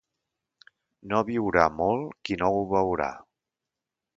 No viurà molt qui no ho veurà.